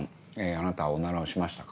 あなたはおならをしましたか？